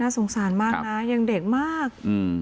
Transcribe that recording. สงสารมากนะยังเด็กมาก